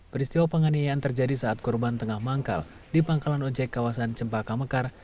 peristiwa penganiayaan terjadi saat korban tengah manggal di pangkalan ojek kawasan cempaka mekar